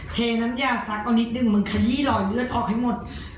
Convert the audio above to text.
เทน้ำยาซักเอานิดนึงมึงขยี้รอยเลือดออกให้หมด